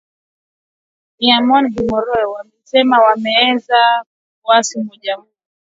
Eamon Gilmore alisema ameelezea wasi-wasi wa umoja huo.